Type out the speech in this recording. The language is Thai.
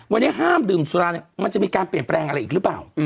วันนี้ห้ามดื่มสุราเนี่ยมันจะมีการเปลี่ยนแปลงอะไรอีกหรือเปล่า